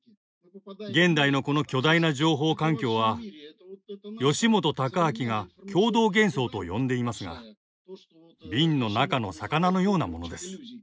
現代のこの巨大な情報環境は吉本隆明が共同幻想と呼んでいますが瓶の中の魚のようなものです。